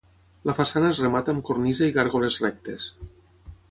La façana es remata amb cornisa i gàrgoles rectes.